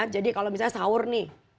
kalau misalnya sahur nih